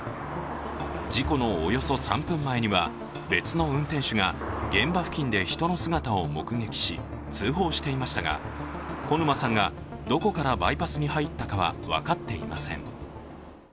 事故のおよそ３分前には別の運転手が現場付近で人の姿を目撃し通報していましたが小沼さんが、どこからバイパスに入ったかは分かっていません。